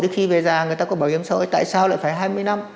khi về già người ta có bảo hiểm xã hội tại sao lại phải hai mươi năm